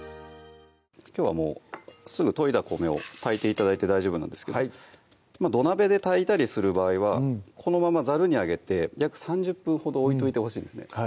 きょうはすぐといだ米を炊いて頂いて大丈夫なんですけど土鍋で炊いたりする場合はこのままざるにあげて約３０分ほど置いといてほしいんですね